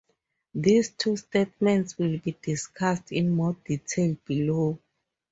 These two statements will be discussed in more detail below.